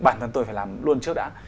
bản thân tôi phải làm luôn trước đã